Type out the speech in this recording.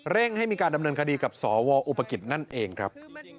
ให้มีการดำเนินคดีกับสวอุปกิจนั่นเองครับ